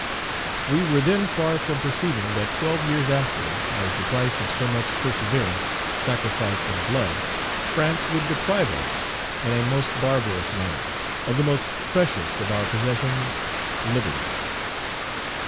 "We were then far from perceiving that twelve years after, as the price of so much perseverance, sacrifice, and blood, France would deprive us in a most barbarous manner of the most precious of our possessions, liberty.